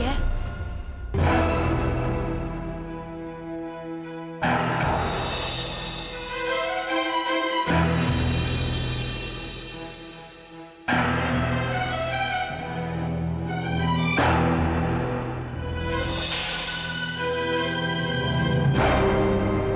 jadi dia akan menghukum lo